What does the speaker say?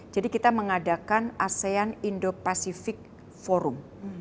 jadi kita mengadakan asean indo pacific forum